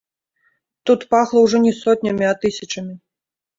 Тут пахла ўжо не сотнямі, а тысячамі.